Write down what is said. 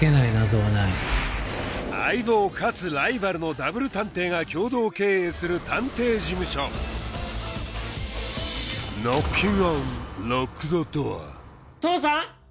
相棒かつライバルのダブル探偵が共同経営する探偵事務所父さん！